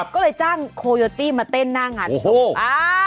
ก็เลยจ้างโคโยตี้มาเต้นหน้างานศพ